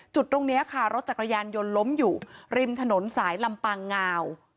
จุดตรงนี้ค่ะรถจักรยานยนต์ล้มอยู่ริมถนนสายลำปางงาว